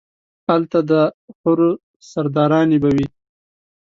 الته ده حورو سرداراني به وي